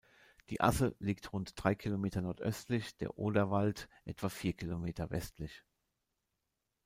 Die Asse liegt rund drei Kilometer nordöstlich, der Oderwald etwa vier Kilometer westlich.